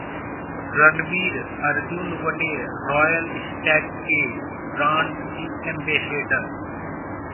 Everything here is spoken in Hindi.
रणवीर, अर्जुन बने रॉयल स्टैग के ब्रांड एम्बेसेडर